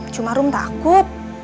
cuma rom takut